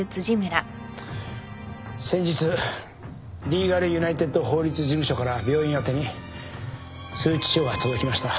先日リーガルユナイテッド法律事務所から病院宛てに通知書が届きました。